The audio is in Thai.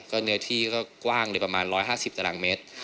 เนื้อที่ก็กว้างเลยประมาณ๑๕๐ตารางเมตร